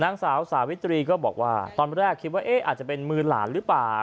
นางสาวสาวิตรีก็บอกว่าตอนแรกคิดว่าเอ๊ะอาจจะเป็นมือหลานหรือเปล่า